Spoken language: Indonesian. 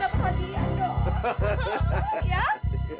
kamu harus berhasil